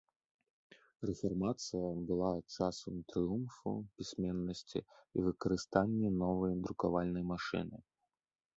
Рэфармацыя была часам трыумфу пісьменнасці і выкарыстанне новай друкавальнай машыны.